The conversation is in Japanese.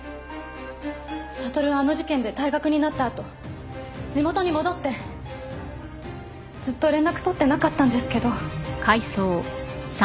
悟はあの事件で退学になったあと地元に戻ってずっと連絡取ってなかったんですけど。